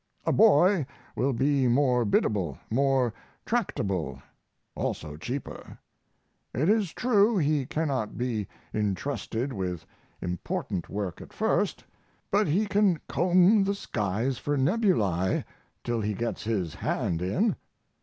A boy will be more biddable, more tractable, also cheaper. It is true he cannot be intrusted with important work at first, but he can comb the skies for nebulae till he gets his hand in.